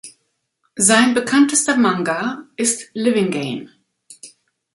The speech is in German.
Sein bekanntester Manga ist "Living Game".